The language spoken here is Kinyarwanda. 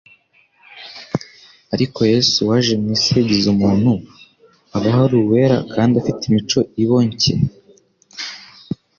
Ariko Yesu waje mu isi yigize umuntu, abaho ari uwera kandi afite imico iboncye.